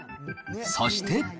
そして。